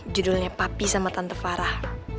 judulnya papi sama tante farah